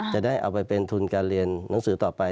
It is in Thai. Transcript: จะได้เอาไปเป็นทุนการเรียนหนังสือต่อไป